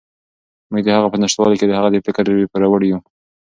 موږ د هغه په نشتوالي کې د هغه د فکر پوروړي یو.